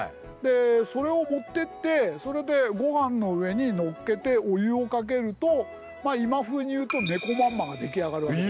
それを持ってってそれでごはんの上にのっけてお湯をかけると今風に言うとねこまんまが出来上がるわけです。